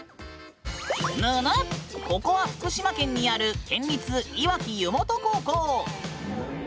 ここは福島県にある県立いわき湯本高校。